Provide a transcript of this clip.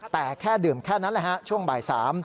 แต่แค่ดื่มแค่นั้นแหละฮะช่วงบ่าย๓